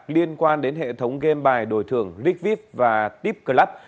liên quan đến hệ thống game bài đổi thượng rick vip và tip club